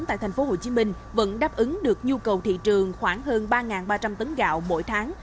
tại tp hcm vẫn đáp ứng được nhu cầu thị trường khoảng hơn ba ba trăm linh tấn gạo mỗi tháng